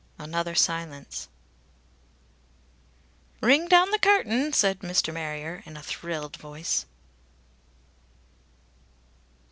Another silence.... "Ring down the curtain," said Mr. Marrier in a thrilled voice.